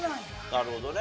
なるほどね。